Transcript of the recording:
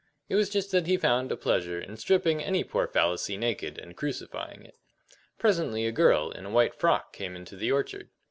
It was just that he found a pleasure in stripping any poor fallacy naked and crucifying it. Presently a girl in a white frock came into the orchard.